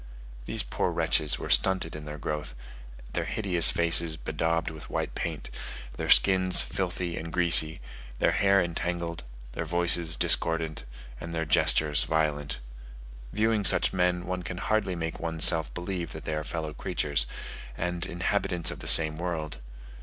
These poor wretches were stunted in their growth, their hideous faces bedaubed with white paint, their skins filthy and greasy, their hair entangled, their voices discordant, and their gestures violent. Viewing such men, one can hardly make one's self believe that they are fellow creatures, and inhabitants of the same world.